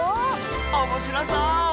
おもしろそう！